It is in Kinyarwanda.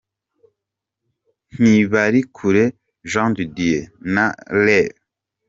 Ntibarikure Jean de Dieu na Rev.